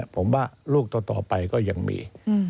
ผมว่าลูกต่อไปก็ยังมี